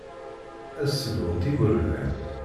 Ad ssedhunt igerdan.